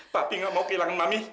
papi nggak mau kehilangan mami